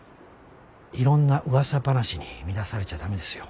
いろんなうわさ話に乱されちゃ駄目ですよ。